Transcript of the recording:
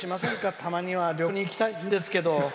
たまには旅行に行きたいんですけど。